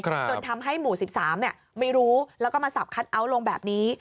จนทำให้หมู่๑๓ไม่รู้แล้วก็มาสับคัทเอาท์ลงแบบนี้